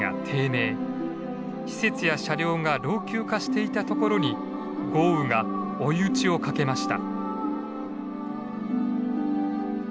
施設や車両が老朽化していたところに豪雨が追い打ちをかけました。